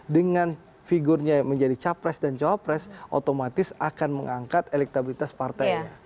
dengan figurnya menjadi capres dan cawapres otomatis akan mengangkat elektabilitas partainya